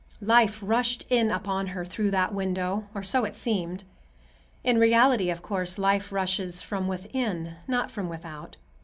Life rushed in upon her through that window—or so it seemed. In reality, of course, life rushes from within, not from without.